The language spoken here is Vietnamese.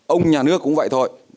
ông nhà nước cũng vậy thôi